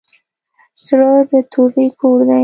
زړه د توبې کور دی.